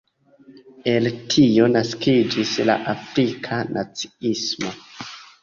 El tio naskiĝis la Afrika naciismo.